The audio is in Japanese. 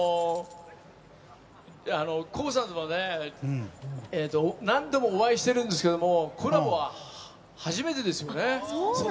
ＫＯＯさんとは何度もお会いしてるんですけれどもコラボは初めてですよね。